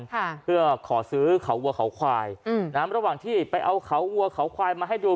ค่ะเพื่อขอซื้อเขาวัวเขาควายอืมนะฮะระหว่างที่ไปเอาเขาวัวเขาควายมาให้ดู